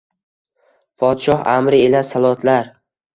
Podshoh amri ila sallotlar